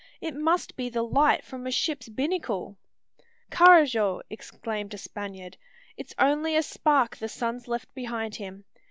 It must be the light from a ship's binnacle!" "Carrajo!" exclaimed a Spaniard; "it's only a spark the sun's left behind him.